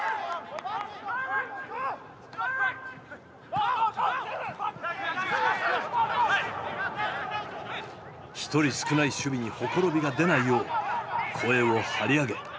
１人少ない守備にほころびが出ないよう声を張り上げ指示を送る。